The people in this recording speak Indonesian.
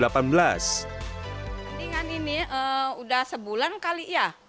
pendingan ini sudah sebulan kali ya